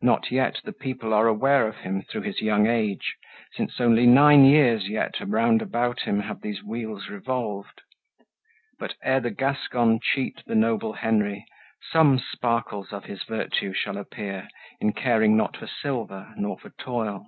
Not yet the people are aware of him Through his young age, since only nine years yet Around about him have these wheels revolved. But ere the Gascon cheat the noble Henry, Some sparkles of his virtue shall appear In caring not for silver nor for toil.